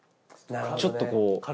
ちょっとこう。